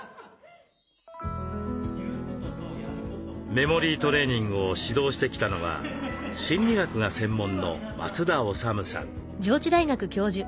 メモリートレーニングを指導してきたのは心理学が専門の松田修さん。